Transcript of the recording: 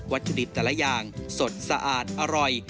ถุดิบแต่ละอย่างสดสะอาดอร่อย